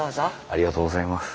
ありがとうございます。